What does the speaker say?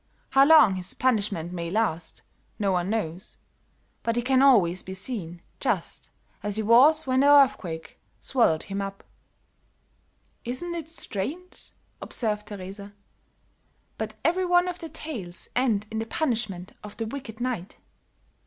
How long his punishment may last, no one knows, but he can always be seen just as he was when the earthquake swallowed him up." "Isn't it strange," observed Teresa, "but every one of the tales end in the punishment of the wicked knight."